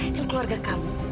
dan keluarga kamu